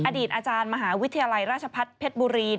อดีตอาจารย์มหาวิทยาลัยราชพัฒน์เพชรบุรี